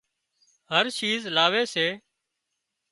هر شيز لاوِي آلي سي